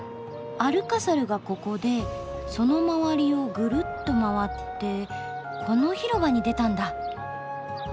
アルカサルがここでその周りをぐるっと回ってこの広場に出たんだ。